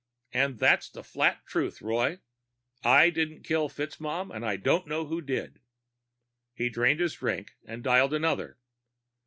_ And that's the flat truth, Roy. I didn't kill FitzMaugham, and I don't know who did." He drained his drink and dialed another.